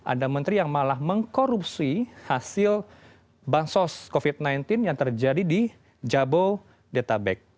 ada menteri yang malah mengkorupsi hasil bansos covid sembilan belas yang terjadi di jabodetabek